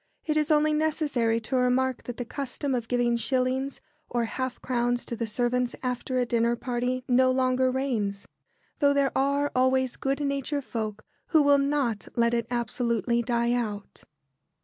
It is only necessary to remark that the custom of giving shillings or half crowns to the servants after a dinner party no longer reigns; though there are always good natured folk who will not let it absolutely die out.